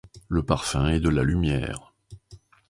Le parfum est de la lumière.